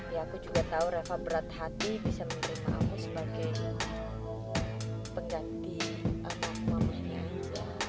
ya aku juga tau reva berat hati bisa menerima kamu sebagai pegang di anak mamanya aja